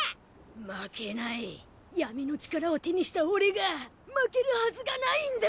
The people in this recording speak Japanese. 負けない闇の力を手にした俺が負けるはずがないんだ！